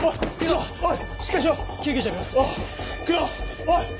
はい！